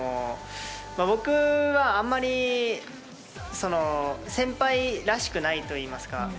僕はあまり先輩らしくないといいますか。